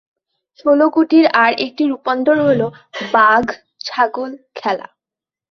ষোল গুটির আর একটি রূপান্তর হলো বাঘ ছাগল খেলা।